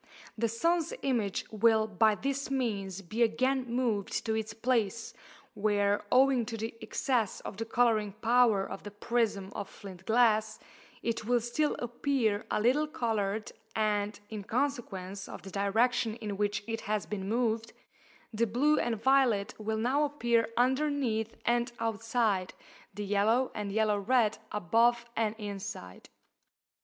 The sun's image will by this means be again moved to its place, where, owing to the excess of the colouring power of the prism of flint glass, it will still appear a little coloured, and, in consequence of the direction in which it has been moved, the blue and violet will now appear underneath and outside, the yellow and yellow red above and inside.